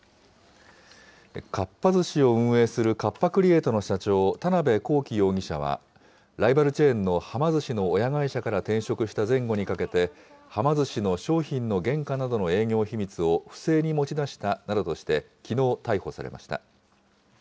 かっぱ寿司を運営するカッパ・クリエイトの社長、田邊公己容疑者は、ライバルチェーンのはま寿司の親会社から転職した前後にかけて、はま寿司の商品の原価などの営業秘密を不正に持ち出したなどとして、きのう、逮捕されました。